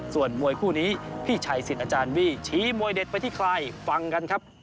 ส่วนมวยคู่นี้พี่ชัยสิทธิ์อาจารย์บี้ชี้มวยเด็ดไปที่ใครฟังกันครับ